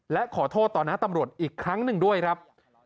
และขอโทษต่อหน้าตำรวจอีกครั้งหนึ่งด้วยครับ